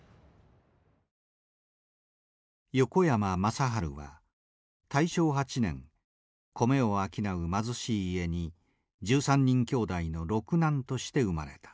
横山正治は大正８年米を商う貧しい家に１３人兄弟の六男として生まれた。